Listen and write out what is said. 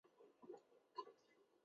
经北京市人民检察院交办